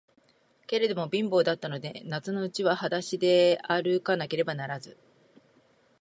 けれども、貧乏だったので、夏のうちははだしであるかなければならず、